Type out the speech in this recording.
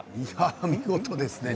見事ですね。